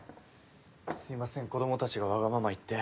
すいません子供たちがわがまま言って。